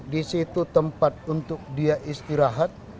di situ tempat untuk dia istirahat